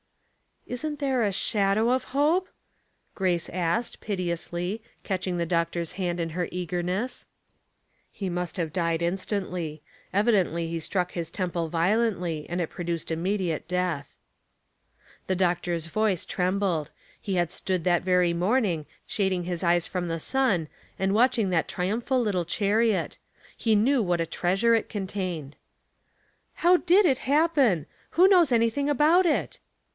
'' Isn't there a shadow of hope ?'^ Grace asked, piteously, catching the doctor's hand in her eagerness. 824 Household Puzzles. "He raust have died instantly. Evidently he struck his temple violently, and it produced immediate death." The doctor's voice trembled ; he had stood that very morning, shading his eyes from the sun, and watching that triumphal little chariot; he knew what a treasure it contained. " How did it happen ? Who knows anything about it?"